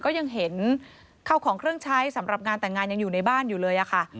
ก็ยังเห็นข้าวของเครื่องใช้สำหรับงานแต่งงานยังอยู่ในบ้านอยู่เลยค่ะ